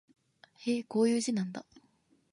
へえ、こういう字なんだ